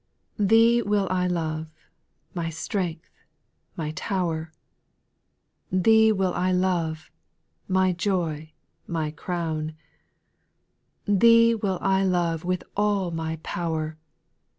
rpHEE will I love, my strength, my tower ; X Thee will I love, my joy, my crown ; Thee will I love with all my power.